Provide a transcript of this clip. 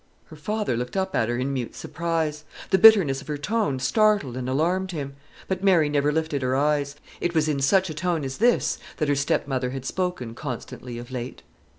Her father looked up at her in mute surprise. The bitterness of her tone startled and alarmed him; but Mary never lifted her eyes. It was in such a tone as this that her stepmother had spoken constantly of late.